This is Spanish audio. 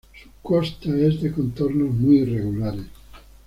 Su costa es de contornos muy irregulares.